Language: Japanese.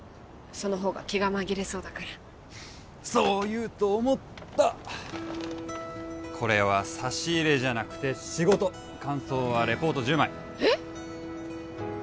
その方が気が紛れそうだからそう言うと思ったこれは差し入れじゃなくて仕事感想はレポート１０枚えっ！？